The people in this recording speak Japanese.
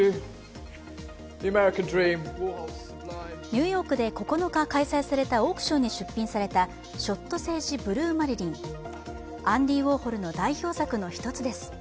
ニューヨークで９日、開催されたオークションに出品された「ショットセージブルーマリリン」アンディ・ウォーホルの代表作の一つです。